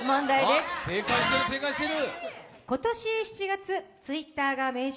正解してる、正解してる。